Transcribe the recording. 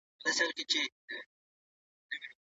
مور د ماشوم د لاسونو پاکوالی يادوي.